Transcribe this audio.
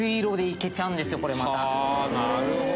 なるほど！